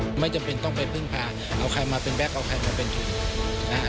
ไม่จำเป็นต้องไปพึ่งพาเอาใครมาเป็นแก๊กเอาใครมาเป็นทุนนะฮะ